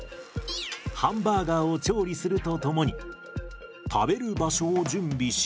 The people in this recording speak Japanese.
ハンバーガーを調理するとともに食べる場所を準備し。